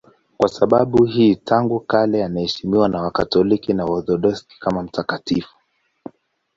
Kwa sababu hiyo tangu kale anaheshimiwa na Wakatoliki na Waorthodoksi kama mtakatifu.